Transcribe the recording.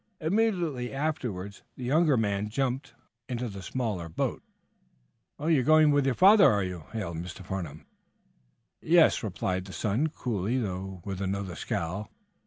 Immediately afterwards the younger man jumped into the small boat. "Oh, you're going with your father, are you?" hailed Mr. Farnum. "Yes," replied the son, coolly, though with another scowl.